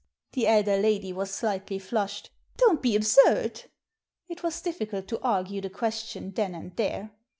" The elder lady was slightly flushed. "Don't be absurd!" It was difficult to argue the question then and there.